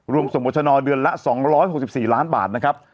ส่งบัชนเดือนละ๒๖๔ล้านบาทนะครับ